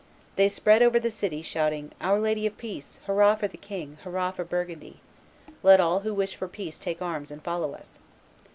They spread over the city, shouting, "Our Lady of peace! Hurrah for the king! Hurrah for Burgundy! Let all who wish for peace take arms and follow us!"